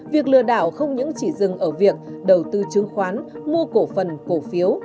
việc lừa đảo không những chỉ dừng ở việc đầu tư chứng khoán mua cổ phần cổ phiếu